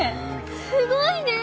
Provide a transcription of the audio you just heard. すごいね！